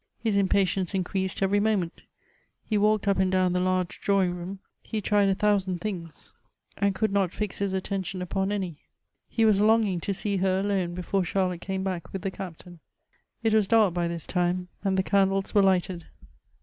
His impatience increased every moment. He walked up and down the large drawing room; he tried a thousand things, and could not fix his attention upon any. He was longing to see her alone, before Charlotte came back with the Captain. It was dark by this time, and the candles were lighted.